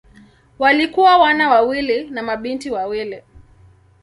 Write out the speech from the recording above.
Walikuwa wana wawili na mabinti wawili.